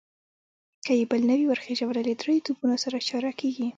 که يې بل نه وي ور خېژولی، له درېيو توپونو سره چاره کېږي.